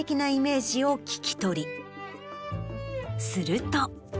すると。